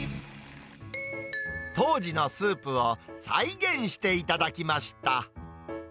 当時のスープを再現していただきました。